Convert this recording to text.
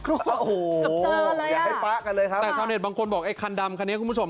เกือบเจอเลยอะจะเลยนะแต่ก็แสดงบางคนบอกไอ่คันดำไขนี้คุณผู้ชม